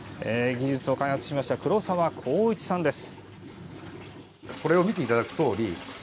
技術を開発した黒澤浩一さんです。